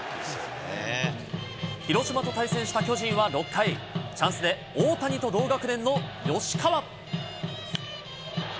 広島と対戦した巨人は６回、チャンスで大谷と同学年の吉川。